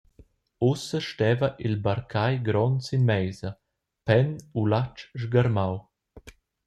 Ussa steva il barcagl grond sin meisa, penn u latg sgarmau.